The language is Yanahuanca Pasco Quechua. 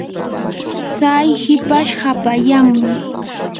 tsay hipash hapallanmi.